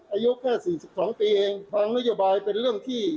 อายุแก้๔๒ปีแห่งฝั่งนโยบายเป็นเรื่องที่